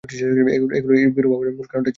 এগুলো এই বিরূপ আবহাওয়ার মূল কারণটা চিহ্নিত করেছে।